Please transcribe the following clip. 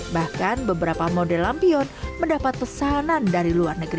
bahkan beberapa model lampion mendapat pesanan dari luar negeri